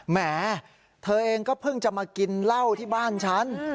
แหมเธอเองก็เพิ่งจะมากินเหล้าที่บ้านฉัน